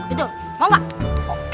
betul mau gak